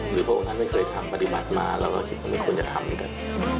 หรือพระองค์ท่านไม่เคยทำปฏิบัติมาแล้วเราคิดว่าไม่ควรจะทำเหมือนกัน